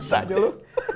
bisa aja lu